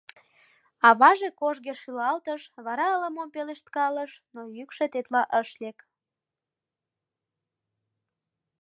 Аваже кожге шӱлалтыш, вара ала-мом пелешткалыш, но йӱкшӧ тетла ыш лек.